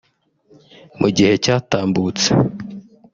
Mu gihe cyatambutse